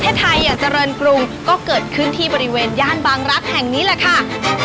ไทยอย่างเจริญกรุงก็เกิดขึ้นที่บริเวณย่านบางรักษ์แห่งนี้แหละค่ะ